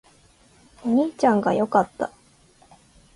お兄ちゃんが良かった